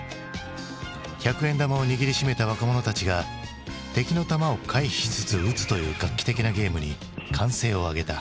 百円玉を握りしめた若者たちが敵の弾を回避しつつ撃つという画期的なゲームに歓声を上げた。